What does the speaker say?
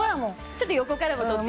ちょっと横からも撮って。